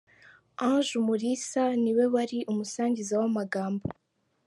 Ange Umulisa niwe wari umusangiza w'amagambo.